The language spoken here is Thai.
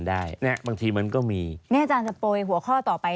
ได้เนี่ยบางทีมันก็มีเนี่ยอาจารย์จะโปรยหัวข้อต่อไป